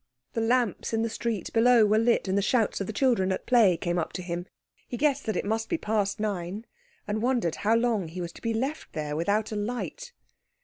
The lamps in the street below were lit, and the shouts of the children at play came up to him. He guessed that it must be past nine, and wondered how long he was to be left there without a light.